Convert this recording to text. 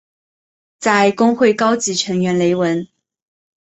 在公会高级成员雷文。